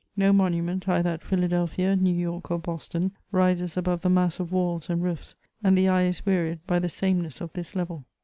No monument, either at Philadelphia, New York, or Boston, rises above the mass of walls and roofs; and the eye is wearied by the sameness of this level.